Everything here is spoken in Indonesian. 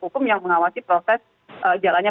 hukum yang mengawasi proses jalannya